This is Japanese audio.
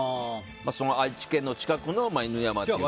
愛知県の近くの山とか。